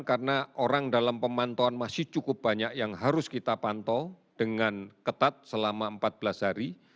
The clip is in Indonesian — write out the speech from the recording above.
karena orang dalam pemantauan masih cukup banyak yang harus kita pantau dengan ketat selama empat belas hari